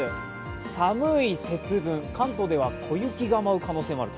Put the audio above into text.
寒い節分、関東では小雪が舞う可能性もあると。